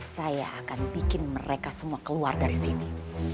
saya akan bikin mereka semua keluar dari sini